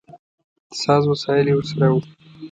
د ساز وسایل یې ورسره و.